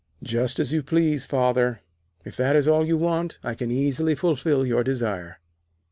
'Just as you please, Father. If that is all you want, I can easily fulfil your desire.'